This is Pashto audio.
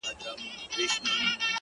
o په سپورږمۍ كي ستا تصوير دى،